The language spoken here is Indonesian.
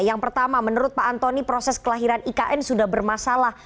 yang pertama menurut pak antoni proses kelahiran ikn sudah bermasalah